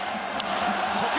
初球。